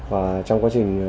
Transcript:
và trong quá trình